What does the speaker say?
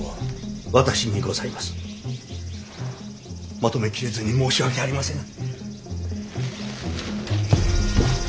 まとめ切れずに申し訳ありませぬ。